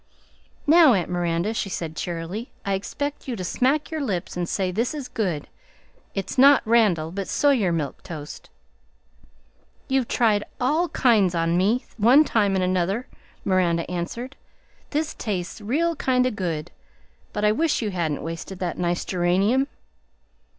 "Now, aunt Miranda," she said cheerily, "I expect you to smack your lips and say this is good; it's not Randall, but Sawyer milk toast." "You've tried all kinds on me, one time an' another," Miranda answered. "This tastes real kind o' good; but I wish you hadn't wasted that nice geranium."